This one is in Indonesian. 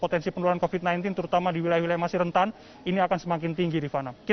terima kasih pak